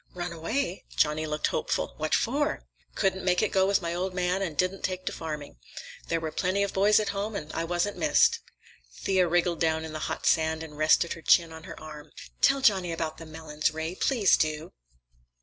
"Ran away?" Johnny looked hopeful. "What for?" "Couldn't make it go with my old man, and didn't take to farming. There were plenty of boys at home. I wasn't missed." Thea wriggled down in the hot sand and rested her chin on her arm. "Tell Johnny about the melons, Ray, please do!"